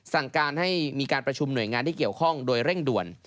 สั่งการให้มีการประชุมหน่วยงานที่เกี่ยวข้องโดยเร่งด่วน